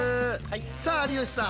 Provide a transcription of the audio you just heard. さあ有吉さん